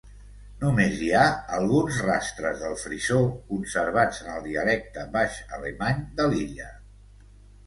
Només hi ha alguns rastres del frisó conservats en el dialecte baix alemany de l'illa.